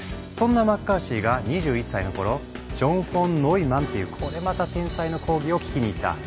そんなマッカーシーが２１歳の頃ジョン・フォン・ノイマンっていうこれまた天才の講義を聴きに行った。